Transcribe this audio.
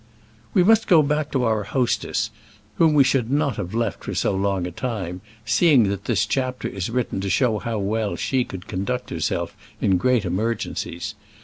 We must go back to our hostess, whom we should not have left for so long a time, seeing that this chapter is written to show how well she could conduct herself in great emergencies.